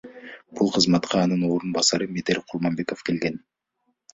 Бул кызматка анын орун басары Медер Курманбеков келген.